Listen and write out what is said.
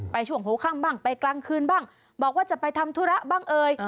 ช่วงหัวค่ำบ้างไปกลางคืนบ้างบอกว่าจะไปทำธุระบ้างเอ่ย